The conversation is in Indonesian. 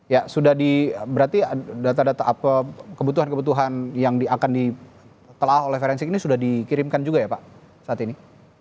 ya sudah di berarti data data kebutuhan kebutuhan yang akan ditelah oleh forensik ini sudah dikirimkan juga ya pak saat ini